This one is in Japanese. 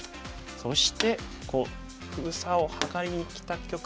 そして封鎖を図りにきた局面ですね。